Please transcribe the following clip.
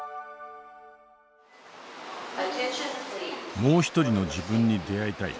「もう一人の自分に出会いたい」。